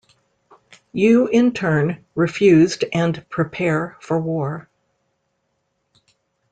Yu in turn refused and prepare for war.